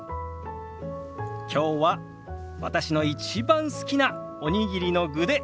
きょうは私の一番好きなおにぎりの具で作ってみました。